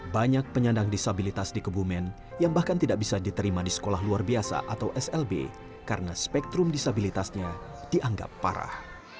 banyak penyandang disabilitas di kebumen yang bahkan tidak bisa diterima di sekolah luar biasa atau slb karena spektrum disabilitasnya dianggap parah